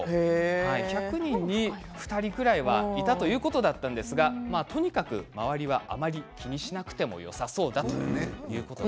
１００人に２人くらいはいたということだったんですがとにかく周りはあまり気にしなくてもよさそうだということでした。